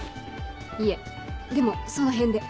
いえでもそのへんで。